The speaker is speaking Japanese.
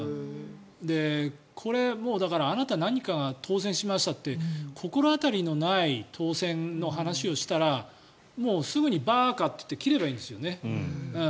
これ、あなた何かが当選しましたって心当たりのない当選の話をしたらもうすぐにバーカと言って切ればいいんですよね。